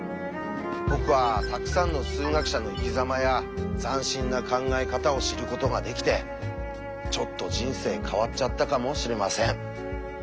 僕はたくさんの数学者の生きざまや斬新な考え方を知ることができてちょっと人生変わっちゃったかもしれません。